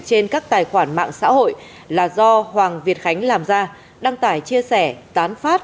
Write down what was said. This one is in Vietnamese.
trên các tài khoản mạng xã hội là do hoàng việt khánh làm ra đăng tải chia sẻ tán phát